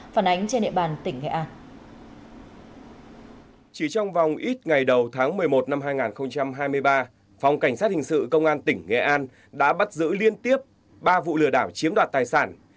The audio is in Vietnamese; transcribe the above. phòng cảnh sát hình sự công an tỉnh nghệ an đã bắt giữ liên tiếp ba vụ lừa đảo chiếm đoạt tài sản